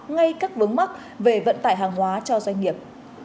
ngay các vướng mắc về vận tải hàng hóa cho doanh nghiệp